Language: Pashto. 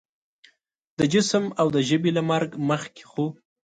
د جسم او د ژبې له مرګ مخکې خو